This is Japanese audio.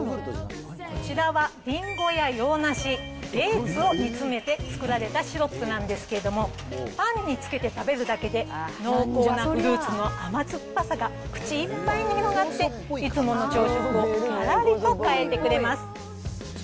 こちらはリンゴや洋ナシ、デーツを煮詰めて作られたシロップなんですけれども、パンにつけて食べるだけで濃厚なフルーツの甘酸っぱさが口いっぱいに広がって、いつもの朝食をがらりと変えてくれます。